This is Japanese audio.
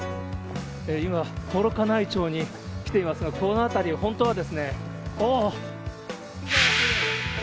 今、幌加内町に来ていますが、この辺り、本当は、ああっ。